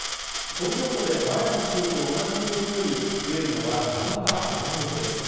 東京都で前の週と同じ曜日より増えるのは７日連続です。